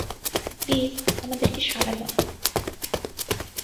Please, আমাদেরকে সাড়া দাও।